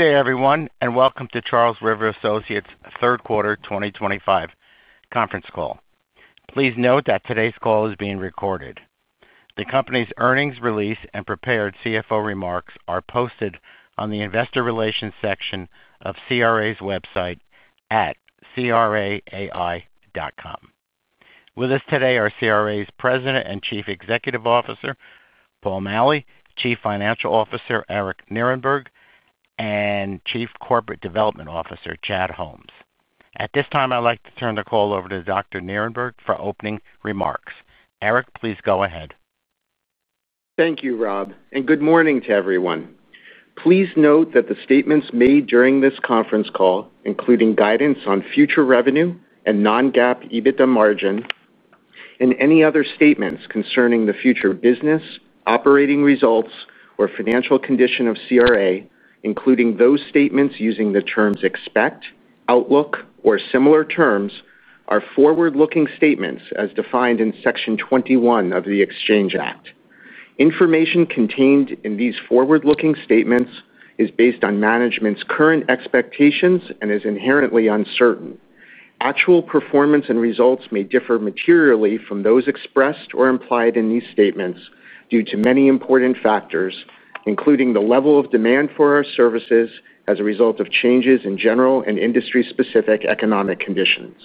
Good day everyone and welcome to Charles River Associates third quarter 2025 conference call. Please note that today's call is being recorded. The Company's earnings release and prepared CFO remarks are posted on the Investor Relations section of CRA's website at crai.com. With us today are CRA's President and Chief Executive Officer Paul Maleh, Chief Financial Officer Eric Nierenberg, and Chief Corporate Development Officer Chad Holmes. At this time I'd like to turn the call over to Dr. Nierenberg for opening remarks. Eric, please go ahead. Thank you Rob and good morning to everyone. Please note that the statements made during this conference call, including guidance on future revenue and non-GAAP EBITDA margin and any other statements concerning the future business operating results or financial condition of CRA, including those statements using the terms expect, outlook or similar terms, are forward-looking statements as defined in Section 21 of the Exchange Act. Information contained in these forward-looking statements is based on management's current expectations and is inherently uncertain. Actual performance and results may differ materially from those expressed or implied in these statements due to many important factors including the level of demand for our services as a result of changes in general and industry-specific economic conditions.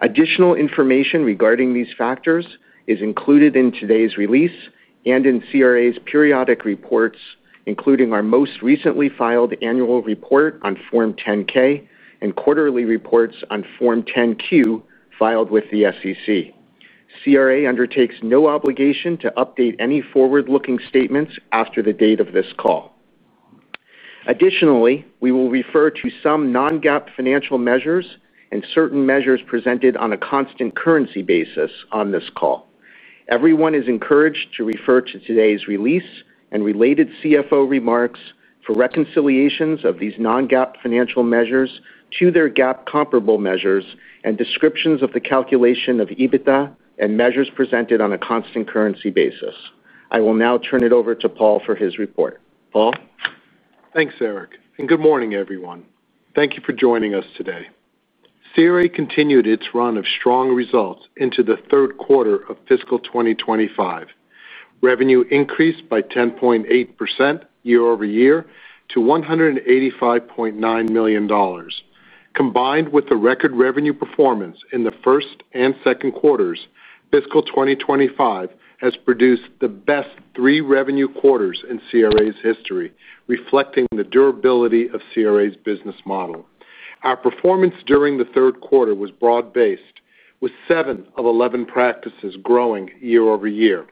Additional information regarding these factors is included in today's release and in CRA's periodic reports including our most recently filed Annual Report on Form 10-K and quarterly reports on Form 10-Q filed with the SEC. CRA undertakes no obligation to update any forward-looking statements after the date of this call. Additionally, we will refer to some non-GAAP financial measures and certain measures presented on a constant currency basis. On this call. Everyone is encouraged to refer to today's release and related CFO remarks for reconciliations of these non-GAAP financial measures to their GAAP comparable measures and descriptions of the calculation of EBITDA and measures presented on a constant currency basis. I will now turn it over to. Paul for his report. Paul Thanks Eric and good morning everyone. Thank you for joining us today. CRA continued its run of strong results into the third quarter of fiscal 2025. Revenue increased by 10.8% year over year to $185.9 million. Combined with the record revenue performance in the first and second quarters, fiscal 2025 has produced the best three revenue quarters in CRA's history, reflecting the durability of CRA's business model. Our performance during the third quarter was broad based, with seven of eleven practices growing year over year.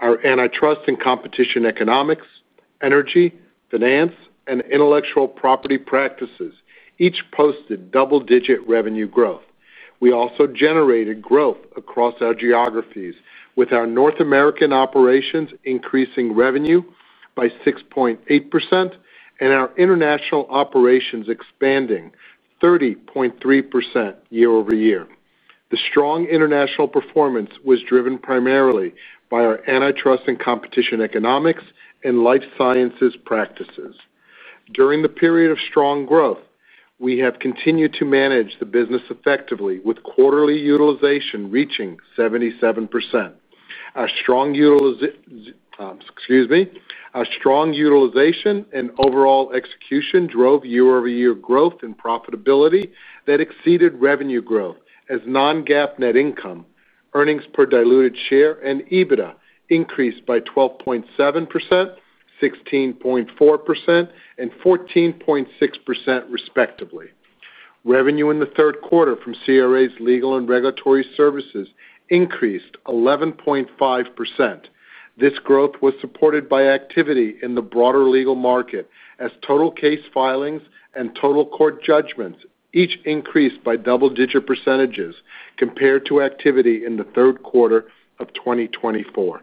Our antitrust and competition economics, energy, finance, and intellectual property practices each posted double-digit revenue growth. We also generated growth across our geographies, with our North American operations increasing revenue by 6.8% and our international operations expanding 30.3% year over year. The strong international performance was driven primarily by our antitrust and competition economics and life sciences practices. During the period of strong growth, we have continued to manage the business effectively, with quarterly utilization reaching 77%. Our strong utilization and overall execution drove year over year growth in profitability that exceeded revenue growth, as non-GAAP net income, earnings per diluted share, and EBITDA increased by 12.7%, 16.4%, and 14.6% respectively. Revenue in the third quarter from CRA's legal and regulatory services increased 11.5%. This growth was supported by activity in the broader legal market, as total case filings and total court judgments each increased by double-digit percentages compared to activity in the third quarter of 2024.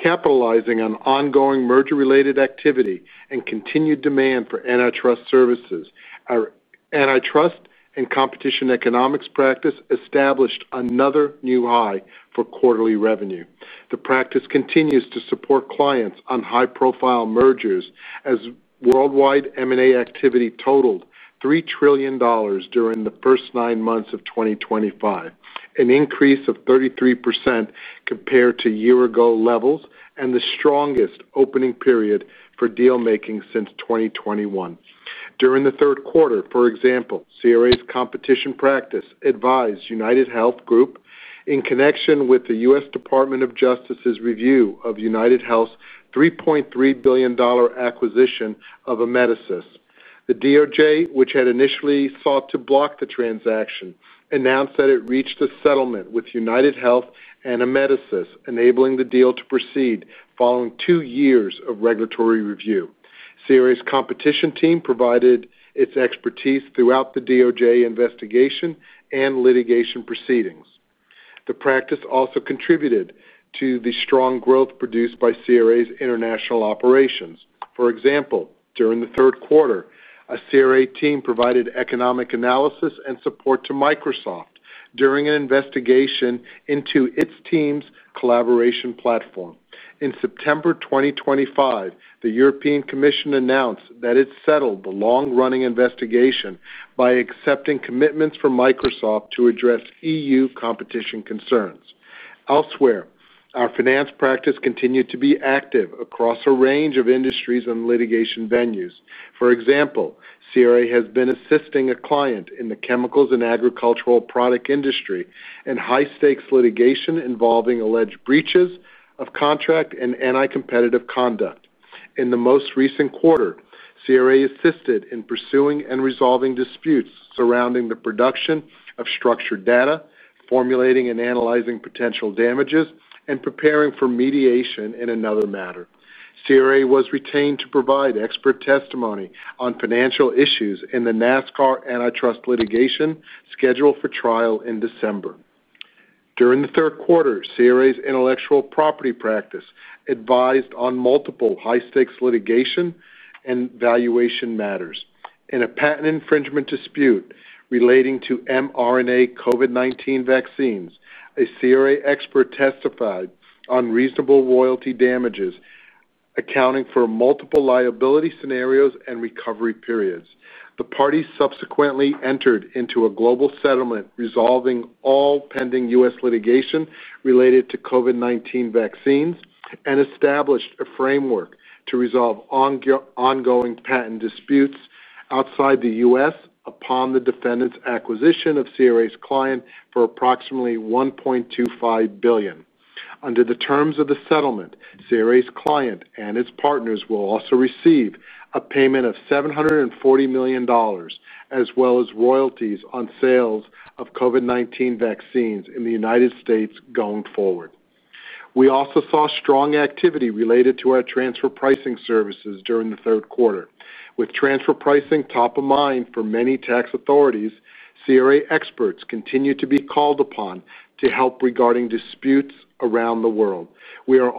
Capitalizing on ongoing merger-related activity and continued demand for antitrust services, our antitrust and competition economics practice established another new high for quarterly revenue. The practice continues to support clients on high-profile mergers, as worldwide M&A activity totaled $3 trillion during the first nine months of 2025, an increase of 33% compared to year-ago levels and the strongest opening period for deal making since 2021. During the third quarter, for example, CRA's competition practice advised UnitedHealth Group in connection with the U.S. Department of Justice's review of UnitedHealth's $3.3 billion acquisition of Amedisys. The DOJ, which had initially sought to block the transaction, announced that it reached a settlement with UnitedHealth Group and Amedisys, enabling the deal to proceed. Following two years of regulatory review, CRA's competition team provided its expertise throughout the DOJ investigation and litigation proceedings. The practice also contributed to the strong growth produced by CRA's international operations. For example, during the third quarter, a CRA team provided economic analysis and support to Microsoft during an investigation into its Teams collaboration platform. In September 2025, the European Commission announced that it settled the long-running investigation by accepting commitments from Microsoft to address EU competition concerns. Elsewhere, our finance practice continued to be active across a range of industries and litigation venues. For example, CRA has been assisting a client in the chemicals and agricultural product industry in high-stakes litigation involving alleged breaches of contract and anticompetitive conduct. In the most recent quarter, CRA assisted in pursuing and resolving disputes surrounding the production of structured data, formulating and analyzing potential damages, and preparing for mediation. In another matter, CRA was retained to provide expert testimony on financial issues in the NASCAR antitrust litigation scheduled for trial in December. During the third quarter, CRA's intellectual property practice advised on multiple high-stakes litigation and valuation matters. In a patent infringement dispute relating to mRNA COVID-19 vaccines, a CRA expert testified on reasonable royalty damages accounting for multiple liability scenarios and recovery periods. The party subsequently entered into a global settlement resolving all pending U.S. litigation related to COVID-19 vaccines and established a framework to resolve ongoing patent disputes outside the U.S. upon the defendant's acquisition of CRA's client for approximately $1.25 billion. Under the terms of the settlement, CRA's client and its partners will also receive a payment of $740 million as well as royalties on sales of COVID-19 vaccines in the United States. Going forward, we also saw strong activity related to our transfer pricing services during the third quarter. With transfer pricing top of mind for many tax authorities, CRA experts continue to be called upon to help regarding disputes. Around the world, we are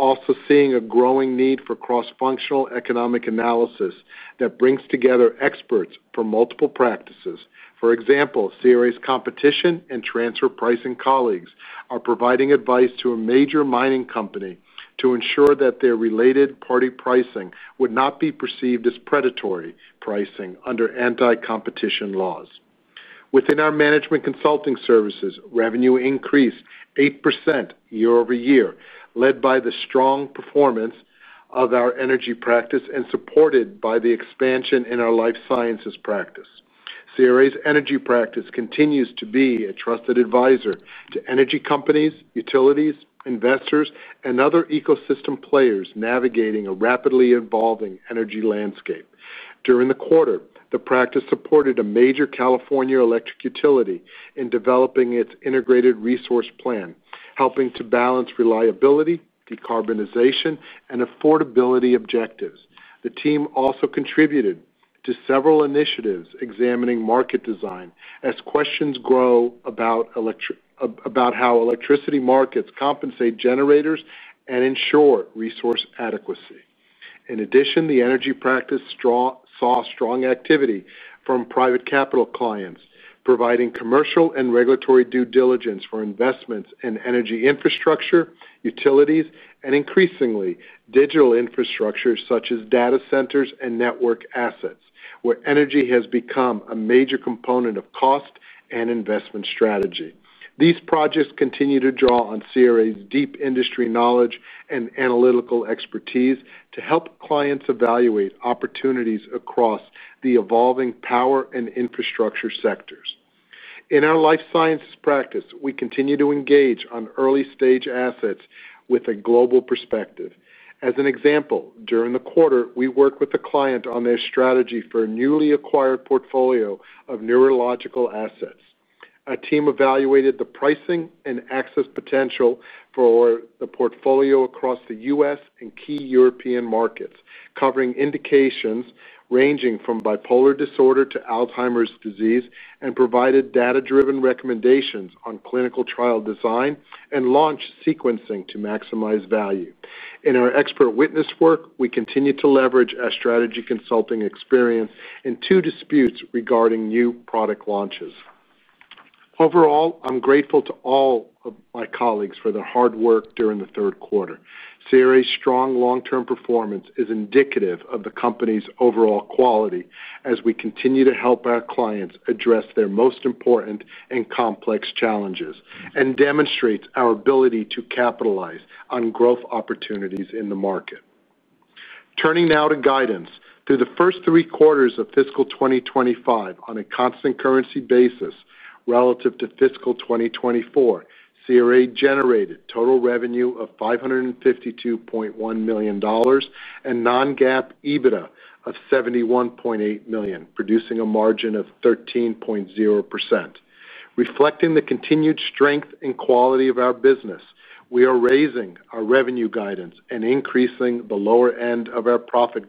seeing a growing need for cross-functional economic analysis that brings together experts from multiple practices. For example, CRA's Competition and Transfer Pricing colleagues are providing advice to a major mining company to ensure that their related party pricing would not be perceived as predatory pricing under antitrust laws. Within our management consulting services, revenue increased 8% year over year, led by the strong performance of our energy practice and supported by the expansion in our life sciences practice. CRA's energy practice continues to be a trusted advisor to energy companies, utilities, investors, and other ecosystem players navigating a rapidly evolving energy landscape. During the quarter, the practice supported a major California electric utility in developing its Integrated Resource Plan, helping to balance reliability, decarbonization, and affordability objectives. The team also contributed to several initiatives examining market design as questions grow about how electricity markets compensate generators and ensure resource adequacy. In addition, the energy practice saw strong activity from private capital clients providing commercial and regulatory due diligence for investments in energy infrastructure, utilities, and increasingly digital infrastructure such as data centers and network assets where energy has become a major component of cost and investment strategy. These projects continue to draw on CRA's deep industry knowledge and analytical expertise to help clients evaluate opportunities across the evolving power and infrastructure sectors. In our life sciences practice, we continue to engage on early-stage assets with a global perspective. As an example, during the quarter we worked with the client on their strategy for a newly acquired portfolio of neurological assets. Our team evaluated the pricing and access potential for the portfolio across the U.S. and key European markets covering indications ranging from bipolar disorder to Alzheimer's disease, and provided data-driven recommendations on clinical trial design and launch sequencing. To maximize value in our expert witness work, we continue to leverage our strategy consulting experience in two disputes regarding new product launches. Overall, I'm grateful to all of my colleagues for their hard work during the third quarter. CRA's strong long-term performance is indicative of the company's overall quality as we continue to help our clients address their most important and complex challenges and demonstrates our ability to capitalize on growth opportunities in the market. Turning now to guidance through the first three quarters of fiscal 2025 on a constant currency basis relative to fiscal 2024, CRA generated total revenue of $552.1 million and non-GAAP EBITDA of $71.8 million, producing a margin of 13.0%. Reflecting the continued strength and quality of our business, we are raising our revenue guidance and increasing the lower end of our profit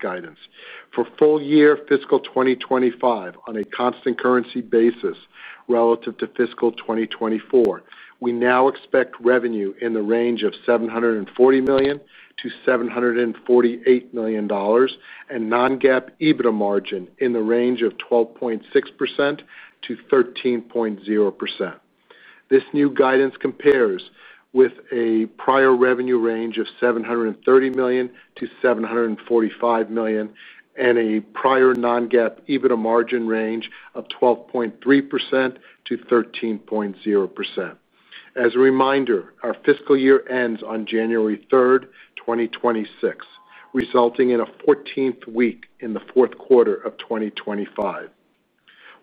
for full year fiscal 2025 on a constant currency basis. Relative to fiscal 2024, we now expect revenue in the range of $740 million to $748 million and non-GAAP EBITDA margin in the range of 12.6% to 13.0%. This new guidance compares with a prior revenue range of $730 million to $745 million and an EBITDA margin range of 12.3% to 13.0%. As a reminder, our fiscal year ends on January 3, 2026, resulting in a 14th week in the fourth quarter of 2025.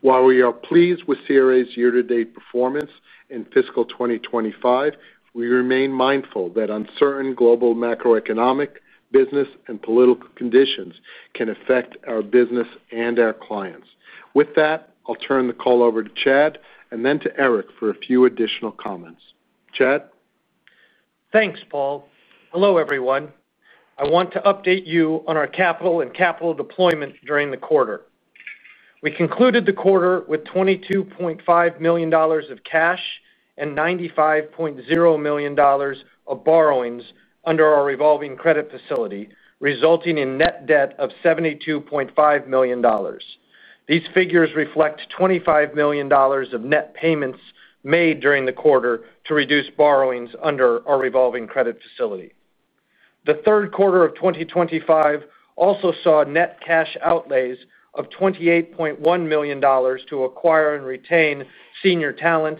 While we are pleased with CRA's year-to-date performance in fiscal 2025, we remain mindful that uncertain global macroeconomic, business, and political conditions can affect our business and our clients. With that, I'll turn the call over to Chad and then to Eric for a few additional comments. Chad, thanks, Paul. Hello everyone. I want to update you on our capital and capital deployment during the quarter. We concluded the quarter with $22.5 million of cash and $95.0 million of borrowings under our revolving credit facility, resulting in net debt of $72.5 million. These figures reflect $25 million of net payments made during the quarter to reduce borrowings under our revolving credit facility. The third quarter of 2025 also saw net cash outlays of $28.1 million to acquire and retain senior talent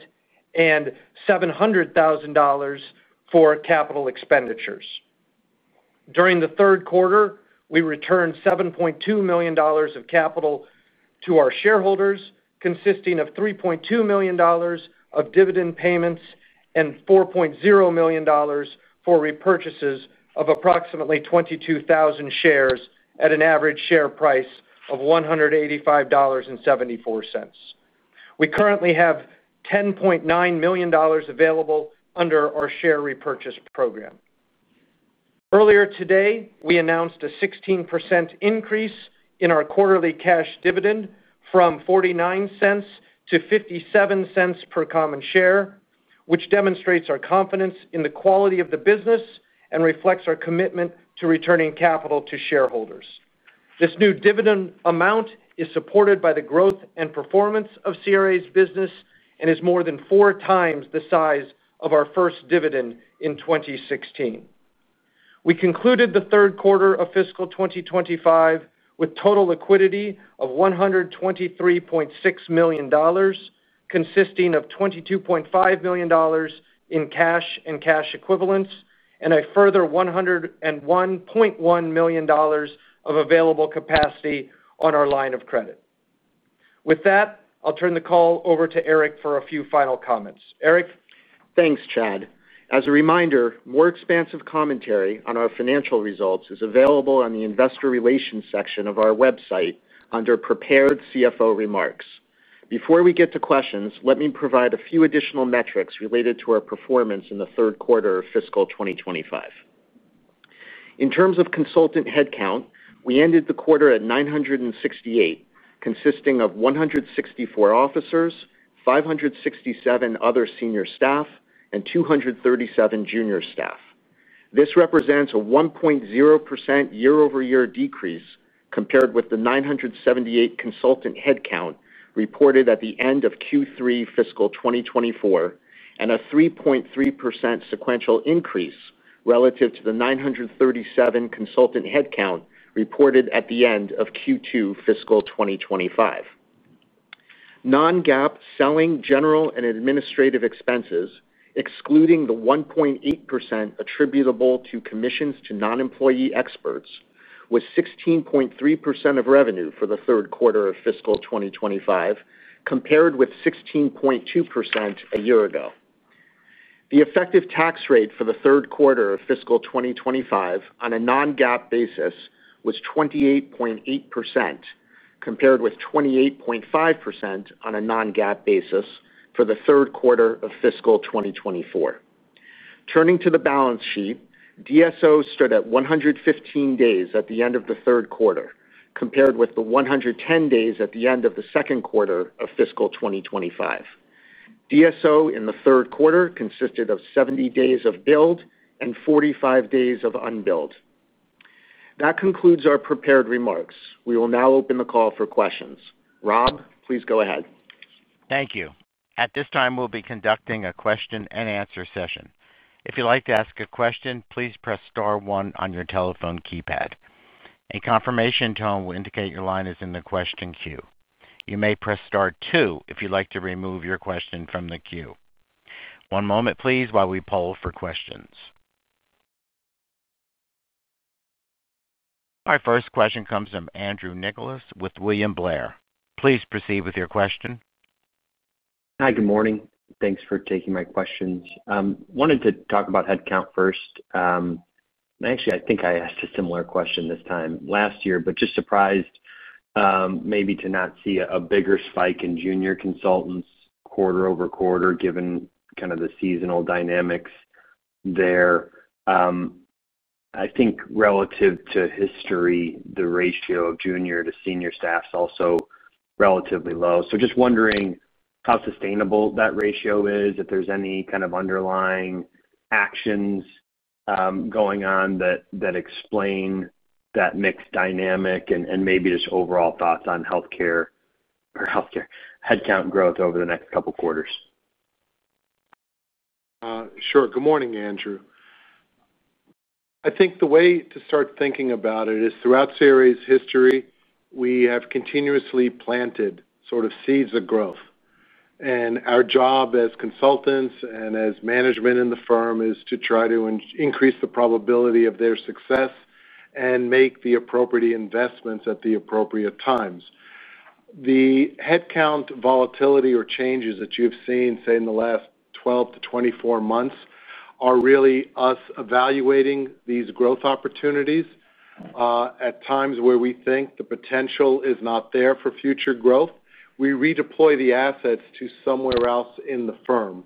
and $700,000 for capital expenditures. During the third quarter, we returned $7.2 million of capital to our shareholders, consisting of $3.2 million of dividend payments and $4.0 million for repurchases of approximately 22,000 shares at an average share price of $185.74. We currently have $10.9 million available under. Our share repurchase program. Earlier today, we announced a 16% increase in our quarterly cash dividend from $0.49 to $0.57 per common share, which demonstrates our confidence in the quality of the business and reflects our commitment to returning capital to shareholders. This new dividend amount is supported by the growth and performance of CRA's business and is more than four times the size of our first dividend in 2016. We concluded the third quarter of fiscal 2025 with total liquidity of $123.6 million, consisting of $22.5 million in cash and cash equivalents and a further $101.1 million of available capacity on our line of credit. With that, I'll turn the call over to Eric for a few final comments. Eric, thanks, Chad. As a reminder, more expansive commentary on our financial results is available on the Investor Relations section of our website under Prepared CFO Remarks. Before we get to questions, let me provide a few additional metrics related to our performance in the third quarter of fiscal 2025. In terms of consultant headcount, we ended the quarter at 968, consisting of 164 officers, 567 other senior staff, and 237 junior staff. This represents a 1.0% year-over-year decrease compared with the 978 consultant headcount reported at the end of Q3 fiscal 2024 and a 3.3% sequential increase relative to the 937 consultant headcount reported at the end of Q2 fiscal 2025. Non-GAAP selling, general, and administrative expenses, excluding the 1.8% attributable to commissions to non-employee experts, was 16.3% of revenue for the third quarter of fiscal 2025 compared with 16.2% a year ago. The effective tax rate for the third quarter of fiscal 2025 on a non-GAAP basis was 28.8%, compared with 28.5% on a non-GAAP basis for the third quarter of fiscal 2024. Turning to the balance sheet, DSO stood at 115 days at the end of the third quarter compared with the 110 days at the end of the second quarter of fiscal 2025. DSO in the third quarter consisted of 70 days of billed and 45 days of unbilled. That concludes our prepared remarks. We will now open the call for questions. Rob, please go ahead. Thank you. At this time, we'll be conducting a question and answer session. If you'd like to ask a question, please press star one on your telephone keypad. A confirmation tone will indicate your line is in the question queue. You may press star 2 if you'd like to remove your question from the queue. One moment, please. While we poll for questions, our first question comes from Andrew Nicholas with William Blair. Please proceed with your question. Hi, good morning. Thanks for taking my questions. Wanted to talk about headcount first. Actually, I think I asked a similar question this time last year, but just surprised maybe to not see a bigger spike in junior consultants quarter over quarter given kind of the seasonal dynamics there. I think relative to history, the ratio of junior to senior staff is also relatively low. Just wondering how sustainable that ratio is, if there's any kind of underlying actions going on that explain that mix dynamic, and maybe just overall thoughts on health care or healthcare headcount growth over the next couple quarters. Sure. Good morning, Andrew. I think the way to start thinking about it is throughout CRA's history, we have continuously planted sort of seeds of growth. Our job as consultants and as management in the firm is to try to increase the probability of their success and make the appropriate investments at the appropriate times. The headcount volatility or changes that you've seen, say in the last 12 to 24 months, are really us evaluating these growth opportunities at times where we think the potential is not there for future growth. We redeploy the assets to somewhere else in the firm.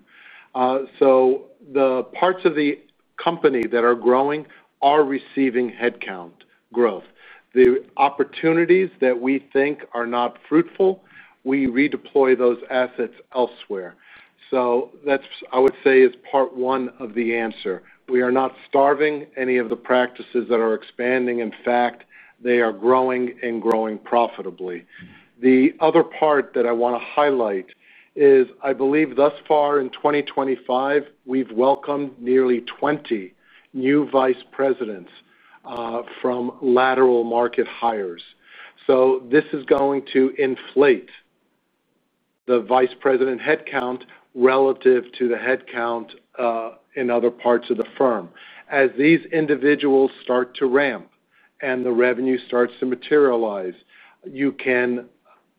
The parts of the company that are growing are receiving headcount growth. The opportunities that we think are not fruitful, we redeploy those assets elsewhere. That, I would say, is part one of the answer. We are not starving any of the practices that are expanding. In fact, they are growing and growing profitably. The other part that I want to highlight is I believe thus far in 2025 we've welcomed nearly 20 new Vice Presidents from lateral market hires. This is going to inflate the Vice President headcount relative to the headcount in other parts of the firm. As these individuals start to ramp and the revenue starts to materialize, you can,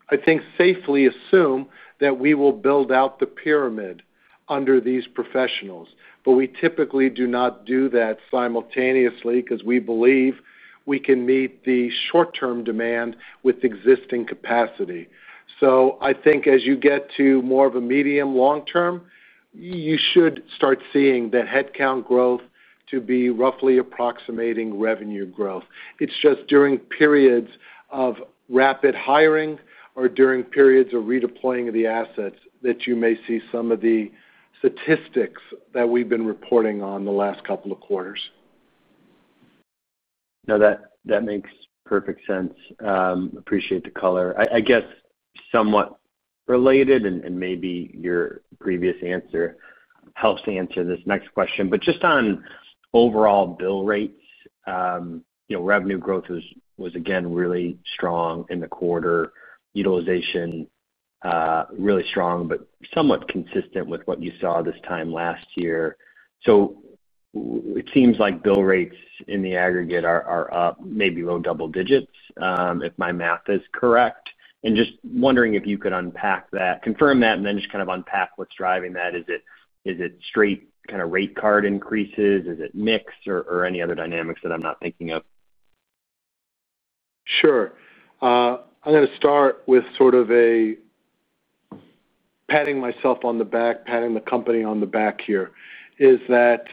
I think, safely assume that we will build out the pyramid under these professionals. We typically do not do that simultaneously because we believe we can meet the short term demand with existing capacity. I think as you get to more of a medium, long term you should start seeing that headcount growth to be roughly approximating revenue growth. It's just during periods of rapid hiring or during periods of redeploying of the assets that you may see some of the statistics that we've been reporting on the last couple of quarters. Now that makes perfect sense. Appreciate the color, I guess. Somewhat related, and maybe your previous answer helps to answer this next question. Just on overall bill rates, revenue growth was again really strong in the quarter, utilization really strong but somewhat consistent with what you saw this time last year. It seems like bill rates in the aggregate are up maybe low double digits if my math is correct. I'm just wondering if you could unpack that, confirm that, and then just kind of unpack what's driving that. Is it straight kind of rate card increases, is it mix, or any other dynamics that I'm not thinking of? Sure. I'm going to start with sort of a patting myself on the back, patting the company on the back here is that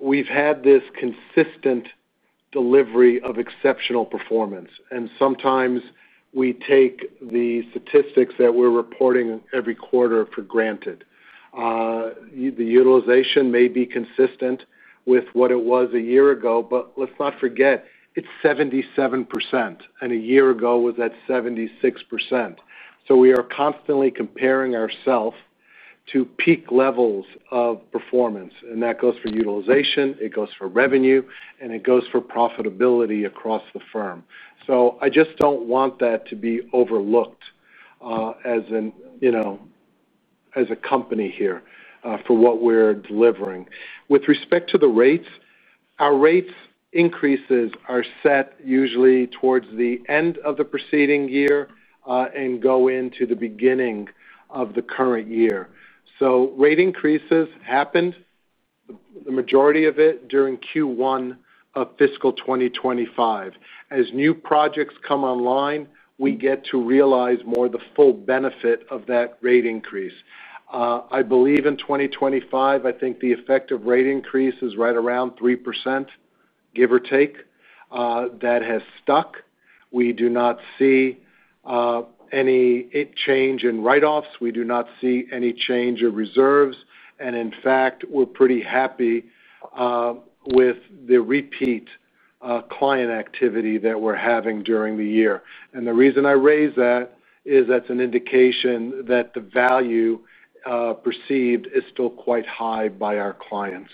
we've had this consistent delivery of exceptional performance, and sometimes we take the statistics that we're reporting every quarter for granted. The utilization may be consistent with what it was a year ago, but let's not forget it's 77% and a year ago was at 76%. We are constantly comparing ourselves to peak levels of performance, and that goes for utilization, it goes for revenue, and it goes for profitability across the firm. I just don't want that to be overlooked as a company here for what we're delivering with respect to the rates. Our rate increases are set usually towards the end of the preceding year and go into the beginning of the current year. Rate increases happened, the majority of it during Q1 of fiscal 2025. As new projects come online, we get to realize more the full benefit of that rate increase. I believe in 2025, I think the effective rate increase is right around 3%, give or take. That has stuck. We do not see any change in write offs, we do not see any change of reserves. In fact, we're pretty happy with the repeat client activity that we're having during the year. The reason I raise that is that's an indication that the value perceived is still quite high by our clients.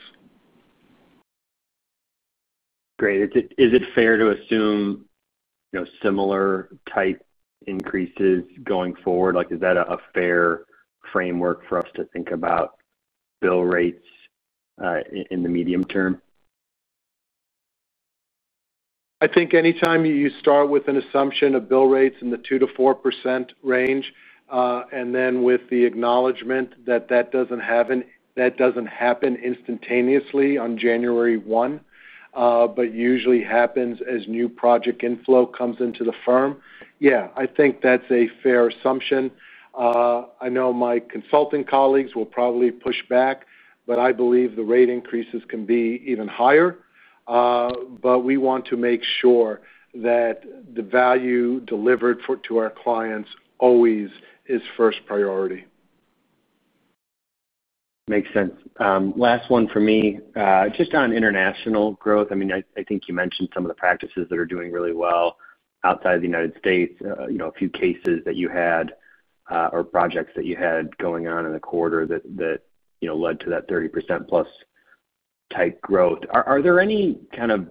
Great. Is it fair to assume similar type increases going forward? Like, is that a fair framework for us to think about bill rates in the medium term? I think anytime you start with an assumption of bill rates in the 2% to 4% range, and then with the acknowledgement that doesn't happen instantaneously on January 1, but usually happens as new project inflow comes into the firm, I think that's a fair assumption. I know my consulting colleagues will probably push back, but I believe the rate increases can be even higher. We want to make sure that the value delivered to our clients always is first priority. Makes sense. Last one for me, just on international growth. I think you mentioned some of the practices that are doing really well outside of the United States. A few cases that you had or projects that you had going on in the quarter led to that 30%+ type growth. Are there any kind of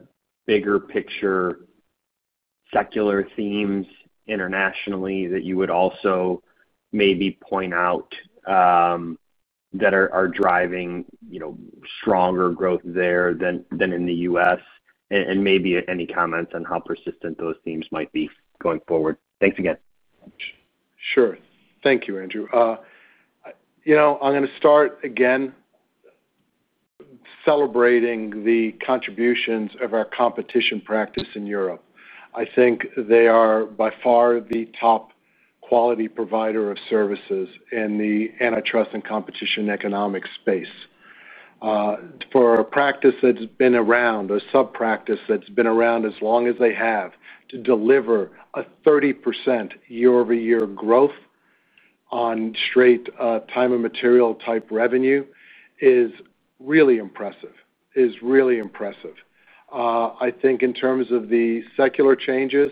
bigger picture secular themes internationally that you would also maybe point out that are driving stronger growth there than in the U.S., and maybe any comments on how persistent those themes might be going forward? Thanks again. Sure. Thank you, Andrew. I'm going to start again celebrating the contributions of our competition practice in Europe. I think they are by far the top quality provider of services in the antitrust and competition economics space for a practice that's been around, a sub practice that's been around as long as they have to deliver a 30% year over year growth on straight time and material type revenue is really impressive. I think in terms of the secular changes,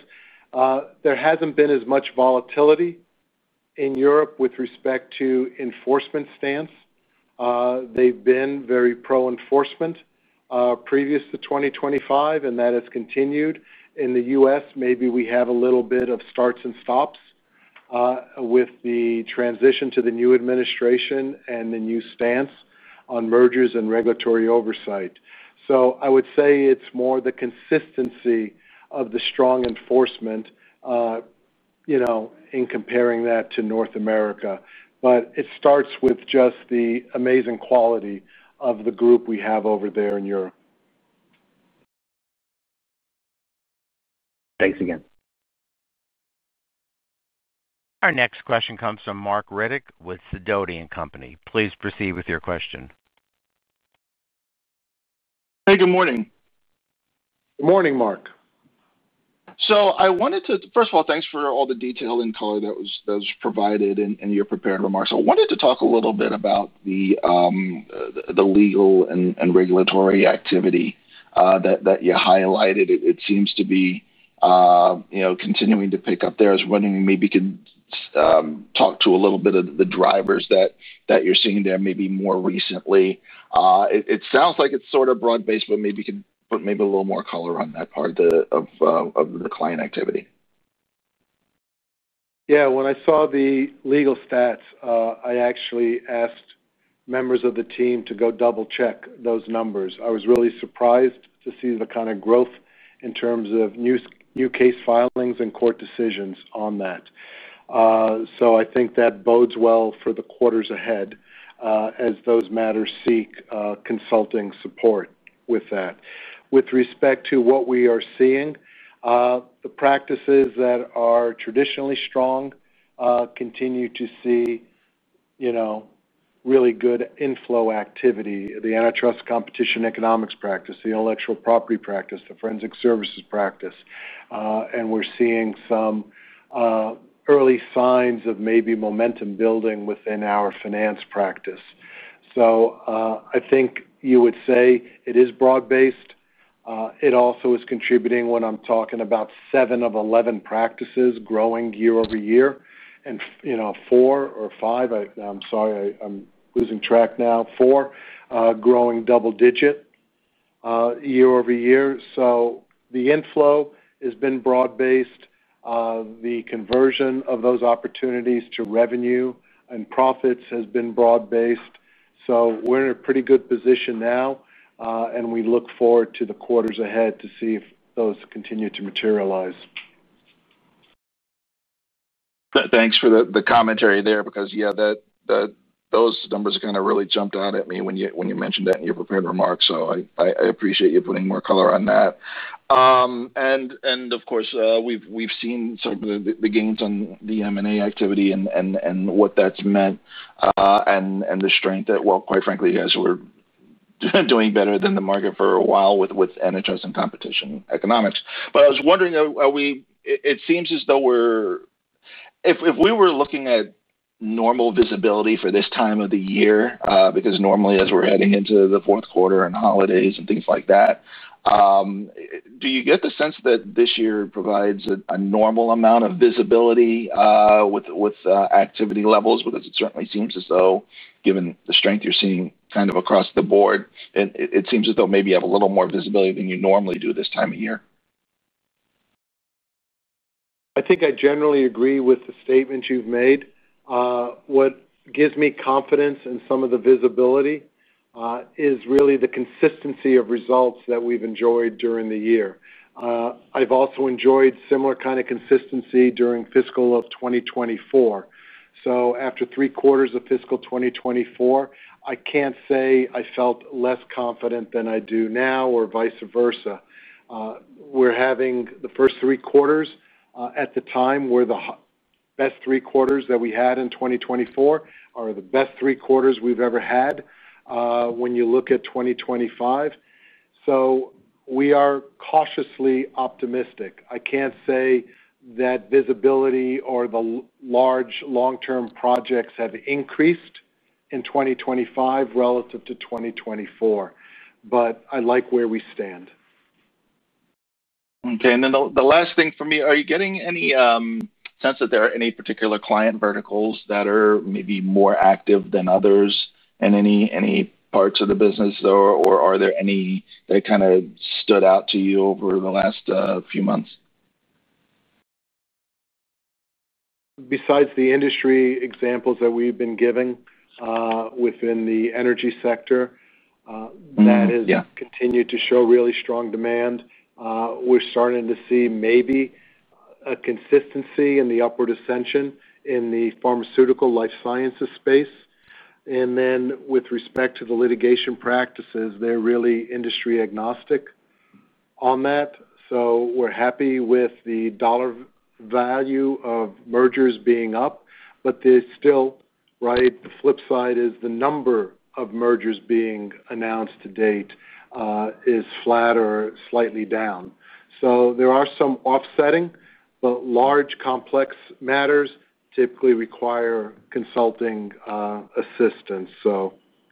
there hasn't been as much volatility in Europe with respect to enforcement stance. They've been very pro enforcement previous to 2025 and that has continued in the U.S. Maybe we have a little bit of starts and stops with the transition to the new administration and the new stance on mergers and regulatory oversight. I would say it's more the consistency of the strong enforcement, you know, in comparing that to North America. It starts with just the amazing quality of the group we have over there in Europe. Thanks again. Our next question comes from Marc Riddick with Sidoti and Company. Please proceed with your question. Hey, good morning. Good morning, Marc. I wanted to first of all. Thanks for all the detail and color. That was provided in your prepared remarks. I wanted to talk a little bit about the legal and regulatory activity that you highlighted. It seems to be continuing to pick up there. I was wondering maybe you could talk to a little bit of the drivers that you're seeing there. Maybe more recently, it sounds like it's sort of broad based, but maybe a little more color on that part of the client activity. Yeah, when I saw the legal stats, I actually asked members of the team to go double check those numbers. I was really surprised to see the kind of growth in terms of new case filings and court decisions on that. I think that bodes well for the quarters ahead as those matters seek consulting support. With respect to what we are seeing, the practices that are traditionally strong continue to see really good inflow activity: the antitrust and competition economics practice, the intellectual property practice, the forensic services practice, and we're seeing some early signs of maybe momentum building within our finance practice. I think you would say it is broad based. It also is contributing when I'm talking about 7 of 11 practices growing year over year and 4, or 5—I'm sorry, I'm losing track now—4 growing double digit year over year. The inflow has been broad based, the conversion of those opportunities to revenue and profits has been broad based. We're in a pretty good position now and we look forward to the quarters ahead to see if those continue to materialize. Thanks for the commentary there because yeah, those numbers kind of really jumped out at me when you mentioned that in your prepared remarks. I appreciate you putting more color on that. Of course we've seen the gains on the M&A activity and what that's meant and the strength that, quite frankly, you guys were doing better than the market for a while with antitrust and competition economics. I was wondering, are we, it seems as though we're, if we were looking at normal visibility for this time of the year, because normally as we're heading into the fourth quarter and holidays and things like that, do you get the sense that this year provides a normal amount of visibility with activity levels? It certainly seems as though, given the strength you're seeing kind of across the board, it seems as though maybe you have a little more visibility than you normally do this time of year. I think I generally agree with the statement you've made. What gives me confidence and some of the visibility is really the consistency of results that we've enjoyed during the year. I've also enjoyed similar kind of consistency during fiscal 2024. After three quarters of fiscal 2024, I can't say I felt less confident than I do now or vice versa. We're having the first three quarters at the time were the best three quarters that we had in 2024, are the best three quarters we've ever had when you look at 2025. We are cautiously optimistic. I can't say that visibility or the large long term projects have increased in 2025 relative to 2024, but I like where we stand. Okay. The last thing for me, are you getting any sense that there are any particular client verticals that are maybe more active than others in any parts of the business, or are there any that kind of stood out to you over the last few months? Besides the industry examples that we've been giving within the energy sector that has continued to show really strong demand, we're starting to see maybe a consistency in the upward ascension in the pharmaceutical life sciences space. With respect to the litigation practices, they're really industry agnostic on that. We're happy with the dollar value of mergers being up. The flip side is the number of mergers being announced to date is flat or slightly down. There are some offsetting. Large, complex matters typically require consulting assistance.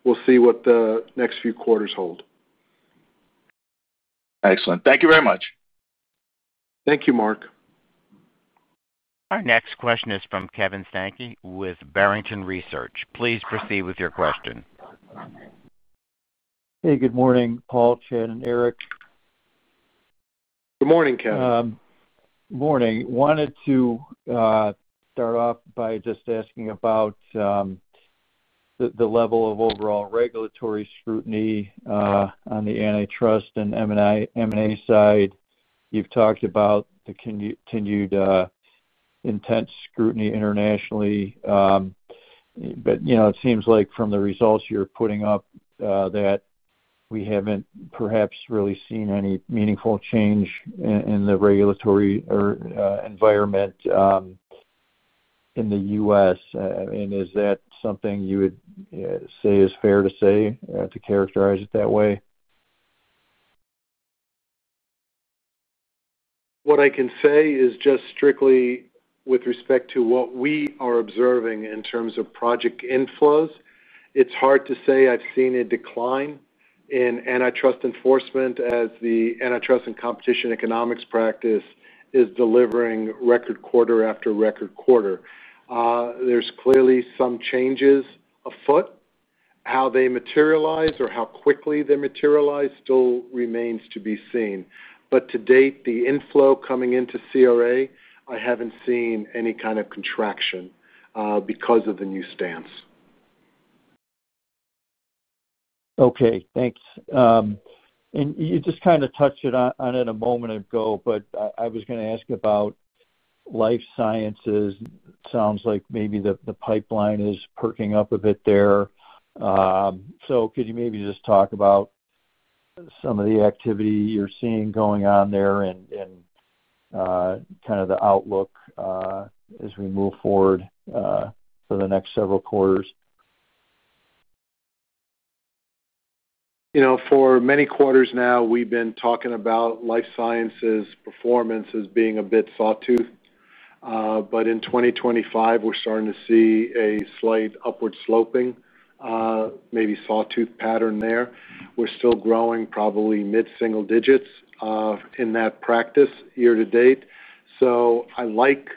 We'll see what the next few quarters hold. Excellent. Thank you very much. Thank you, Marc. Our next question is from Kevin Steinke with Barrington Research. Please proceed with your question. Hey, good morning. Paul, Chad and Eric. Good morning, Kevin. Good morning. Wanted to start off by just asking about the level of overall regulatory scrutiny on the antitrust and M&A side. You've talked about the continued intense scrutiny internationally, but it seems like from the results you're putting up that we haven't perhaps really seen any meaningful change in the regulatory environment. In the. U.S. and is that something you would say is fair to say to characterize it that way? What I can say is just strictly with respect to what we are observing in terms of project inflows. It's hard to say. I've seen a decline in antitrust enforcement as the antitrust and competition economics practice is delivering record quarter after record quarter. There's clearly some changes afoot. How they materialize or how quickly they materialize still remains to be seen. To date, the inflow coming into CRA, I haven't seen any kind of contraction because of the new stance. Okay, thanks. You just kind of touched on it a moment ago. I was going to ask about life sciences. Sounds like maybe the pipeline is perking up a bit there. Could you maybe just talk about some of the activity you're seeing going on there and kind of the outlook as we move forward for the next several quarters? You know, for many quarters now we've been talking about life sciences performance as being a bit sawtooth, but in 2025 we're starting to see a slight upward sloping, maybe sawtooth pattern there. We're still growing probably mid single digits in that practice year to date. I like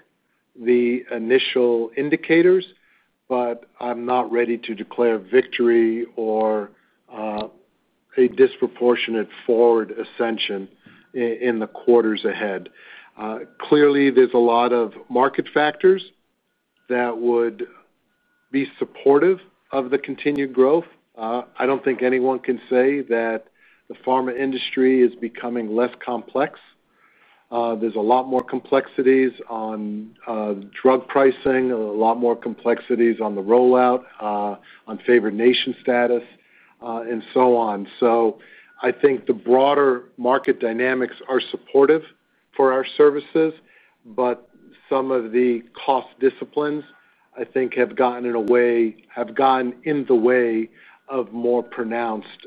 the initial indicators, but I'm not ready to declare victory or a disproportionate forward ascension in the quarters ahead. Clearly there's a lot of market factors that would be supportive of the continued growth. I don't think anyone can say that the pharma industry is becoming less complex. There's a lot more complexities on drug pricing, a lot more complexities on the rollout, unfavored nation status and so on. I think the broader market dynamics are supportive for our services. Some of the cost disciplines I think have gotten in the way of more pronounced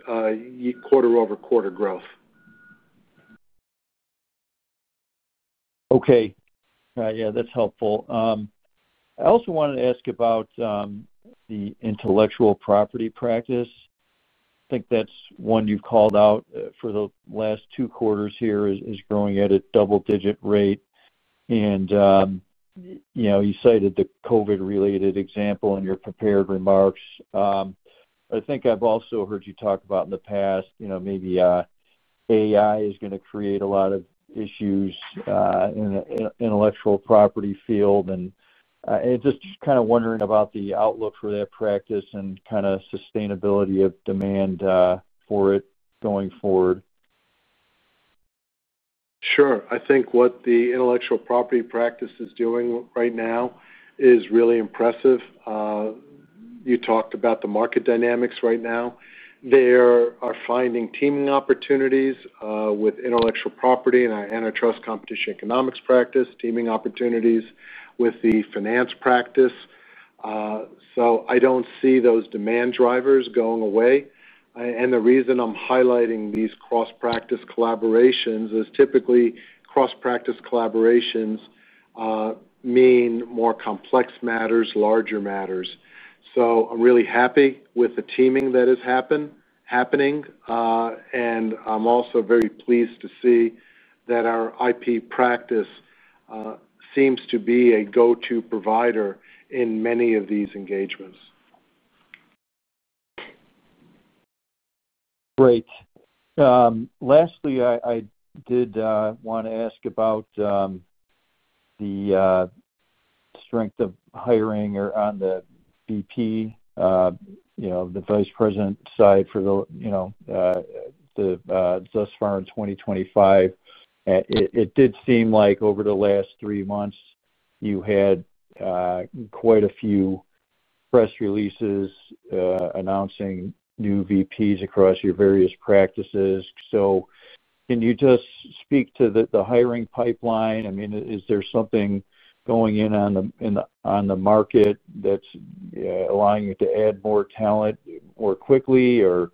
quarter over quarter growth. Okay, yeah, that's helpful. I also wanted to ask about the intellectual property practice. I think that's one you've called out for the last two quarters here as growing at a double-digit rate. You cited the COVID-related example in your prepared remarks. I think I've also heard you talk about in the past, maybe AI is going to create a lot of issues in the intellectual property field. I'm just kind of wondering about the outlook for that practice and the sustainability of demand for it going forward. Sure. I think what the intellectual property practice is doing right now is really impressive. You talked about the market dynamics. Right now they are finding teaming opportunities with intellectual property and our antitrust and competition economics practice, teaming opportunities with the finance practice. I don't see those demand drivers going away. The reason I'm highlighting these cross-practice collaborations is typically cross-practice collaborations mean more complex matters, larger matters. I'm really happy with the teaming that is happening, and I'm also very pleased to see that our IP practice seems to be a go-to provider in many of these engagements. Great. Lastly, I did want to ask about the strength of hiring on the VP, you know, the Vice President side for the, you know, thus far in 2025. It did seem like over the last three months you had quite a few press releases announcing new VPs across your various practices. Can you just speak to the hiring pipeline? I mean, is there something going on in the market that's allowing you to add more talent more quickly, or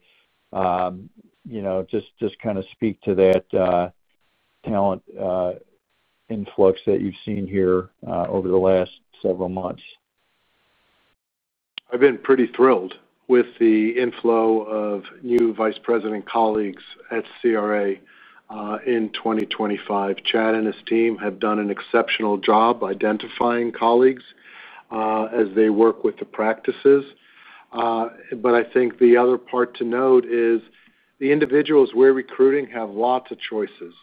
just kind of speak to that talent influx that you've seen here over the last several months? I've been pretty thrilled with the inflow of new Vice President colleagues at CRA in 2025. Chad and his team have done an exceptional job identifying colleagues as they work with the practices. I think the other part to note is the individuals we're recruiting have lots of choices.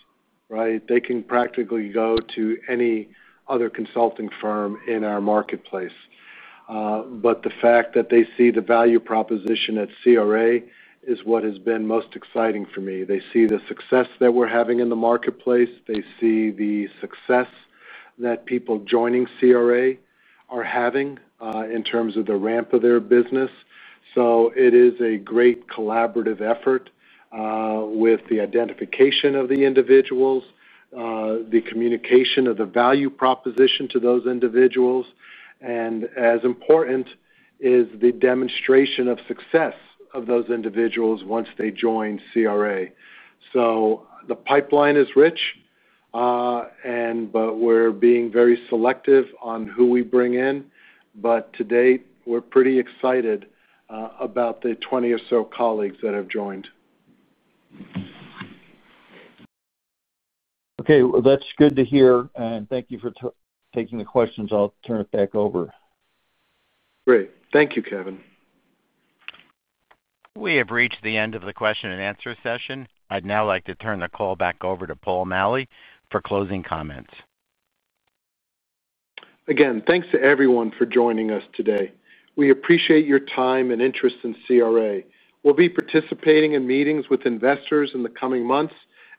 Right. They can practically go to any other consulting firm in our marketplace. The fact that they see the value proposition at CRA is what has been most exciting for me. They see the success that we're having in the marketplace. They see the success that people joining CRA are having in terms of the ramp of their business. It is a great collaborative effort with the identification of the individuals, the communication of the value proposition to those individuals, and as important is the demonstration of success of those individuals once they join CRA. The pipeline is rich, but we're being very selective on who we bring in. To date, we're pretty excited about the 20 or so colleagues that have joined. Okay, that's good to hear, and thank you for taking the questions. I'll turn it back over. Great. Thank you, Kevin. We have reached the end of the question and answer session. I'd now like to turn the call back over to Paul Maleh for closing comments. Again, thanks to everyone for joining us today. We appreciate your time and interest in CRA. We'll be participating in meetings with investors in the coming months,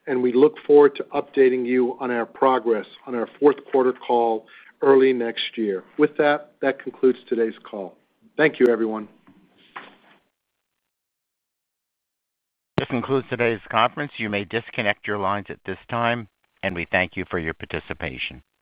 and we look forward to updating you on our progress on our fourth quarter call early next year. With that, this concludes today's call. Thank you, everyone. This concludes today's conference. You may disconnect your lines at this time. We thank you for your participation.